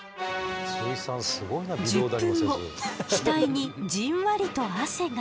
１０分後額にじんわりと汗が。